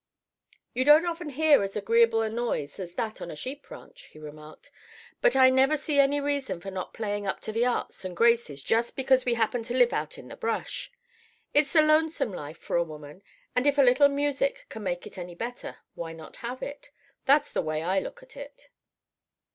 "You don't often hear as agreeable a noise as that on a sheep ranch," he remarked; "but I never see any reason for not playing up to the arts and graces just because we happen to live out in the brush. It's a lonesome life for a woman; and if a little music can make it any better, why not have it? That's the way I look at it."